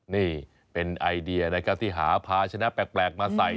นี่เป็นไอเดียนะครับที่หาพาชนะแปลกมาใส่